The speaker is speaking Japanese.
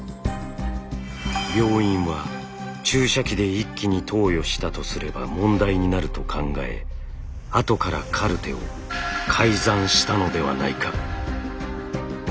病院は注射器で一気に投与したとすれば問題になると考え後からカルテを改ざんしたのではないか。